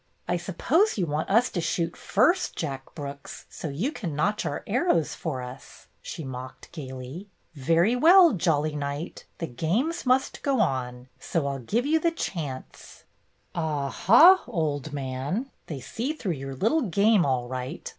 "I suppose you want us to shoot first, Jack Brooks, so you can notch our arrows for us," she mocked gayly. "Very well, 'jolly Knight,' the games must go on, so I 'll give you the chance." "Aha, old man, they see through your little game all right!"